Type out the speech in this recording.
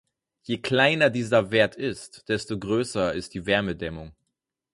Je kleiner dieser Wert ist, desto größer ist die Wärmedämmung.